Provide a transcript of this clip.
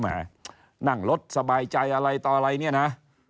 นั่งรถสบายใจอะไรต่ออะไรเนี่ยนะ